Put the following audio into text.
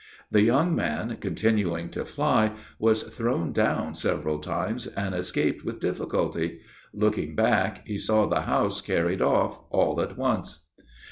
The young man, continuing to fly, was thrown down several times, and escaped with difficulty; looking back, he saw the house carried off, all at once.